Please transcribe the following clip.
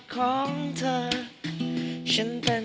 ขอบคุณค่ะ